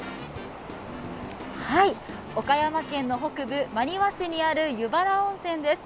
岡山県の北部、真庭市にある湯原温泉です。